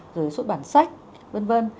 rồi xuất bản sách vân vân